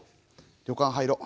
旅館入ろう。